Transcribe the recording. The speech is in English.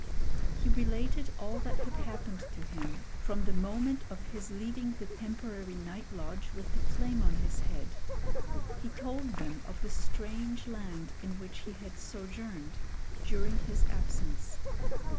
He related all that had happened to him from the moment of his leaving the temporary night lodge with the flame on his head. He told them of the strange land in which he had sojourned during his absence.